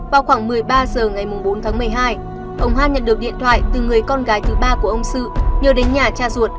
vào khoảng một mươi ba h ngày bốn tháng một mươi hai ông hoan nhận được điện thoại từ người con gái thứ ba của ông sự nhờ đến nhà cha ruột